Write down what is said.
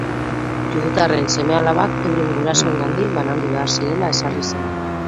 Judutarren seme-alabak euren gurasoengandik banandu behar zirela ezarri zen.